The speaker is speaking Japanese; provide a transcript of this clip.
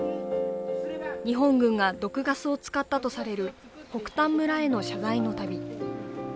日本軍が毒ガスを使ったとされる北たん村への謝罪の旅。